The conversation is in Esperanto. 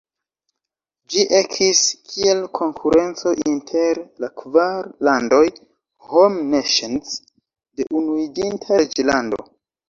Ĝi ekis kiel konkurenco inter la kvar landoj "Home Nations" de Unuiĝinta Reĝlando.